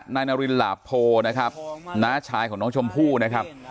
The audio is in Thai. นายนารินหลาโพนะครับน้าชายของน้องชมพู่นะครับ